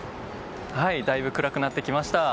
だいぶ暗くなってきました。